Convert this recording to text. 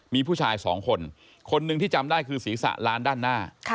มีผู้ชายสองคนคนหนึ่งที่จำได้คือศีรษะล้านด้านหน้า